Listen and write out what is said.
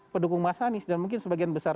pendukung mas anies dan mungkin sebagian besar